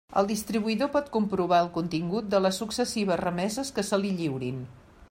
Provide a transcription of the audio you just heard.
El distribuïdor pot comprovar el contingut de les successives remeses que se li lliurin.